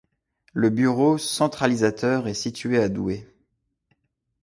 Le bureau centralisateur est situé à Douai.